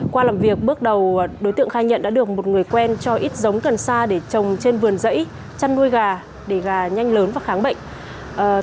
qua làm việc bước đầu đối tượng khai nhận đã được một người quen cho ít giống cần sa để trồng trên vườn dẫy chăn nuôi gà để gà nhanh lớn và kháng bệnh